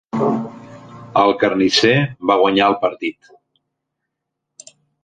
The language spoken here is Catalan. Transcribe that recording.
El carnisser va guanyar el partit.